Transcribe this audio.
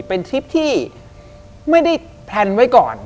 เป็นทริปที่ไม่ได้แพลนไว้ก่อน